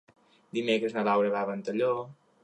Dimecres na Laura va a Ventalló.